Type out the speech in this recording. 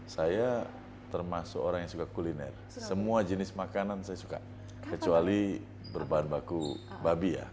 saya termasuk orang yang suka kuliner semua jenis makanan saya suka kecuali berbahan baku babi ya